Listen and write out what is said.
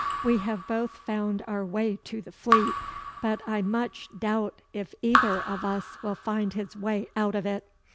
We have both found our way to the Fleet, but I much doubt if either of us will find his way out of it.